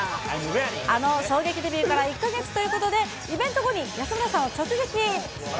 あの衝撃デビューから１か月ということで、イベント後に安村さんを直撃。